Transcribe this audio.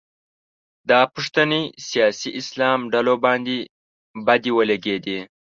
دا پوښتنې سیاسي اسلام ډلو باندې بدې ولګېدې